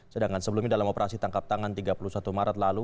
sedangkan sebelumnya dalam operasi tangkap tangan tiga puluh satu maret lalu